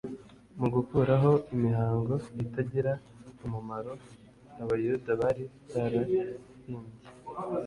Mu gukuraho imihango itagira umumaro abayuda bari barahimbye,